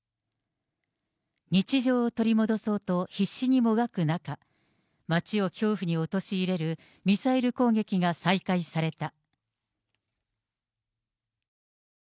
日常を取り戻そうと必死にもがく中、街を恐怖に陥れるミサイル攻撃が再開された。